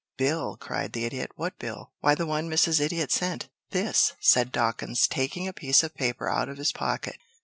"Bill," cried the Idiot. "What bill?" "Why, the one Mrs. Idiot sent this," said Dawkins, taking a piece of paper out of his pocket.